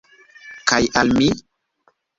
Kaj al mi?